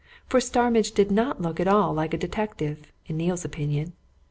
For Starmidge did not look at all like a detective in Neale's opinion.